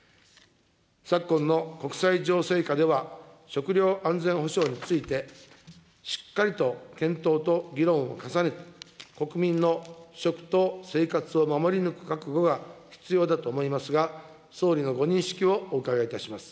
昨今の国際情勢下では、食料安全保障についてしっかりと検討と議論を重ねて、国民の食と生活を守り抜く覚悟が必要だと思いますが、総理のご認識をお伺いいたします。